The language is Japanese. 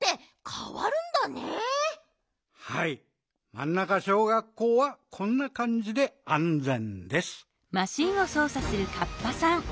マンナカ小学校はこんなかんじであんぜんです！」。